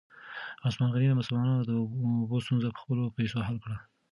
عثمان غني د مسلمانانو د اوبو ستونزه په خپلو پیسو حل کړه.